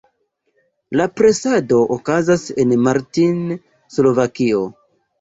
La presado okazas en Martin, Slovakio.